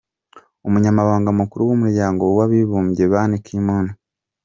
Umunyamabanga Mukuru w’Umuryango w’Abibumbye, Ban Ki Moon